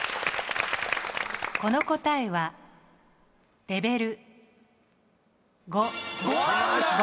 この答えはレベル５。